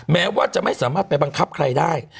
แม้ว่าจะไม่สามารถไปบังคับใครได้